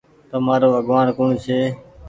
تمآرو آگوآڻ ڪوڻ ڇي۔